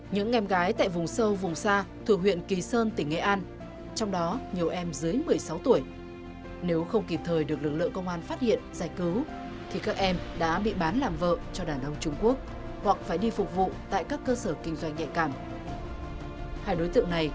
những em gái này dù đã được cơ quan công an giải cứu đã trở về với vòng tay gia đình